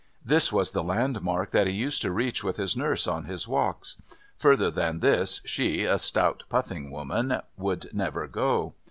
This was the landmark that he used to reach with his nurse on his walks. Further than this she, a stout, puffing woman, would never go.